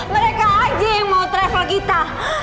mereka aja yang mau travel kita